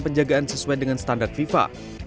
penjagaan sesuai dengan standar fifa